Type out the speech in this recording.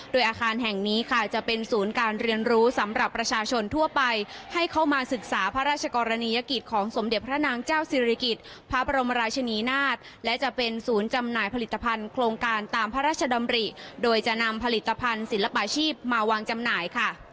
โดยอาคารแห่งนี้ค่ะจะเป็นศูนย์การเรียนรู้สำหรับประชาชนทั่วไปให้เข้ามาศึกษาพระราชกรณียกิจของสมเด็จพระนางเจ้าศิริกิจพระบรมราชนีนาฏและจะเป็นศูนย์จำหน่ายผลิตภัณฑ์โครงการตามพระราชดำริโดยจะนำผลิตภัณฑ์ศิลปาชีพมาวางจำหน่ายค่ะ